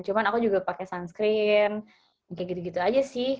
cuma aku juga pakai sunscreen kayak gitu gitu aja sih